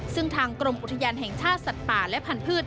ซึ่งทางกรมอุทยานแห่งชาติสัตว์ป่าและพันธุ์